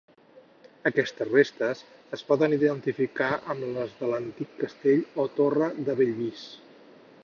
Aquestes restes es poden identificar amb les de l'antic castell o torre de Bellvís.